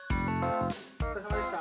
おつかれさまでした。